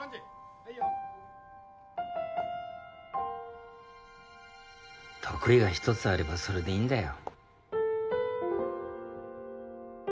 はいよ得意が一つあればそれでいいんだよ